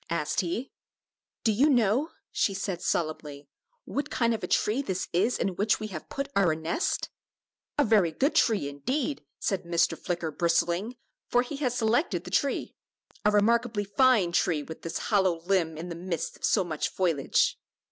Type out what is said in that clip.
asked he. "Do you know," she said, solemnly, "what kind of a tree this is in which we have put our nest?" "A very good tree, indeed," said Mr. Flicker, bristling, for he had selected the tree; "a remarkably fine tree, with this hollow limb in the midst of so much foliage."